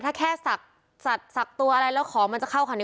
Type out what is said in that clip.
ถ้าแค่สักตัวอะไรแล้วของมันจะเข้าคันนี้